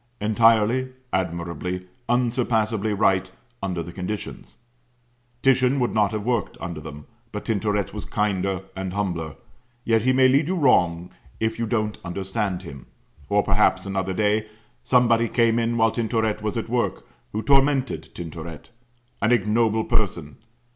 Entirely, admirably, unsurpassably right, under the conditions. Titian would not have worked under them, but Tintoret was kinder and humbler; yet he may lead you wrong if you don't understand him. Or, perhaps, another day, somebody came in while Tintoret was at work, who tormented Tintoret. An ignoble person!